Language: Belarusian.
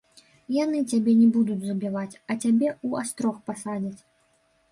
Яны цябе не будуць забіваць, а цябе ў астрог пасадзяць.